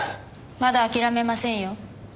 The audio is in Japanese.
まだ諦めませんよ。